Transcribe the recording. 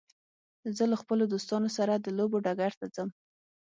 زه له خپلو دوستانو سره د لوبو ډګر ته ځم.